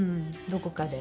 どこかで。